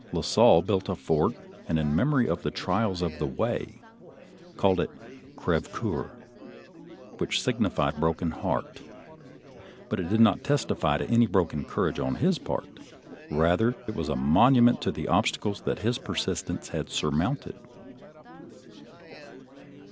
La Salle built a fort, and, in memory of the trials of the way, called it Crevecoeur, which signified Broken heart; but it did not testify to any broken courage on his part; rather it was a monument to the obstacles that his persistence had surmounted.